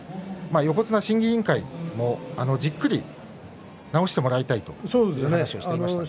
横綱審議委員会もじっくり治してもらいたいという話をしていました。